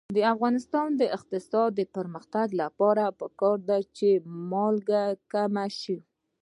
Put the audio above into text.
د افغانستان د اقتصادي پرمختګ لپاره پکار ده چې مالیه کمه شي.